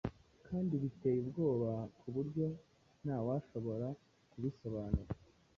kandi biteye ubwoba ku buryo ntawashoboraga kubisobanura.